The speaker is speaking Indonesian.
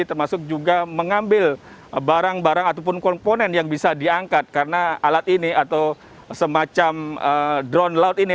termasuk juga mengambil barang barang ataupun komponen yang bisa diangkat karena alat ini atau semacam drone laut ini